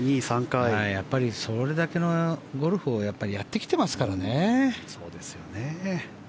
それだけのゴルフをやってきてますからね。